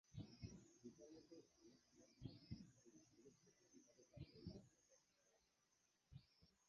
পিতার মত ইনি উদার ছিলেন এবং নাগরিকদের বাগদাদের প্রাসাদে তার সাথে দেখা করার অনুমতি দেন।